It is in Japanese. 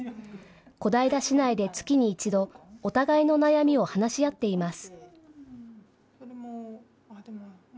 小平市内で月に１度、お互いの悩みを話し合っています。